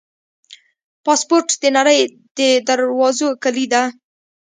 پاسپورټ د نړۍ د دروازو کلي ده.